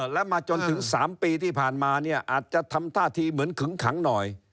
แล้วมาจนถึง๓ปีที่ผ่านมาเนี่ยอาจจะทำท่าทีเหมือนขึงขังหน่อย